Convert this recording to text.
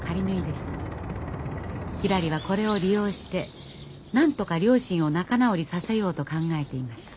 ひらりはこれを利用してなんとか両親を仲直りさせようと考えていました。